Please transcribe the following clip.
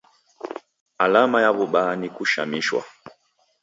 Alama ya w'ubaa ni kushamishwa